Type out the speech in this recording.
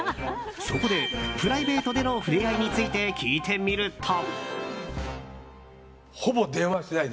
そこで、プライベートでの触れ合いについて聞いてみると。